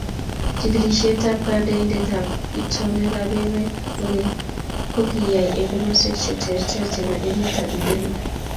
Chigilisyetab kandietab itonweekab emet kokeny kokiyai eng komosweek cheterter chebo emetab Uganda.